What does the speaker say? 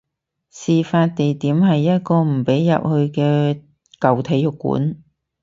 事發地點係一個唔俾入去嘅舊體育館